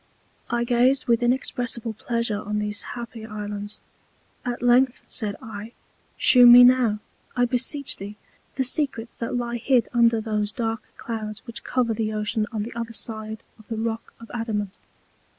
I gazed with inexpressible Pleasure on these happy Islands. At length, said I, shew me now, I beseech thee, the Secrets that lie hid under those dark Clouds which cover the Ocean on the other side of the Rock of Adamant.